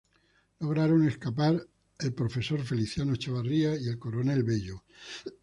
Lograron escapar el profesor Feliciano Chavarría y el coronel Bello.